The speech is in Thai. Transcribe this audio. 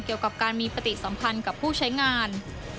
เกี่ยวกับการมีปฏิสัมพันธ์กับผู้ใช้งาน